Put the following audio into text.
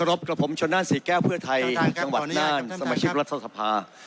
รบกับผมชนนั่นศรีแก้วเพื่อไทยจังหวัดน่านสมาชิกรัฐสภา